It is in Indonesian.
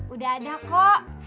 udah ada kok